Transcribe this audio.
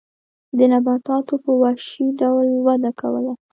دې نباتاتو په وحشي ډول وده کوله.